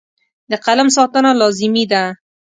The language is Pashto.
د قلم ساتنه لازمي ده.